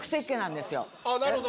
あなるほど。